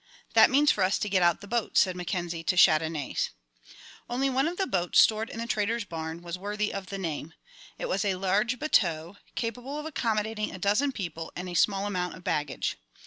"That means for us to get out the boats," said Mackenzie to Chandonnais. Only one of the boats stored in the trader's barn was worthy of the name. It was a large bateau, capable of accommodating a dozen people and a small amount of baggage.